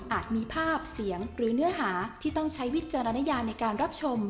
มีภาพเสียงหรือเนื้อหาที่ต้องใช้วิจารณญาในการรับชม